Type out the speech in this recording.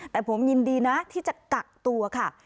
แต่ผมยินดีนะที่จะกักตัวค่ะ